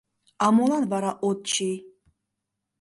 — А молан вара от чий?